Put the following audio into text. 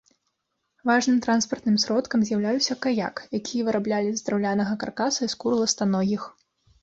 Важным транспартным сродкам з'яўляўся каяк, які выраблялі з драўлянага каркаса і скур ластаногіх.